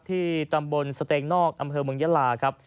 ที่ตำบลสเตงนอกอำเภอเมืองยาลาครับ